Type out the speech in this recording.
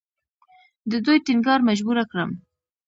د دوی ټینګار مجبوره کړم.